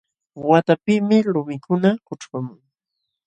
Waqtapiqmi lumikuna kućhpamun.